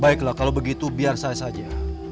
baiklah kalau begitu biar saya saja